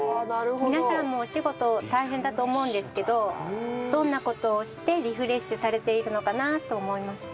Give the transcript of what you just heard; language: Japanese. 皆さんもお仕事大変だと思うんですけどどんな事をしてリフレッシュされているのかなと思いまして。